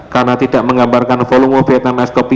karena tidak menggambarkan volume vietnam ais kopi